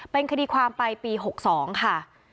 เป็นคดีความไปปี๖๒ค่ะ